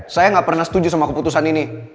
saya nggak pernah setuju sama keputusan ini